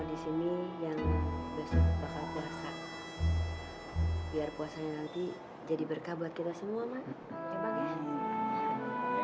biar puasanya nanti jadi berkah buat kita semua man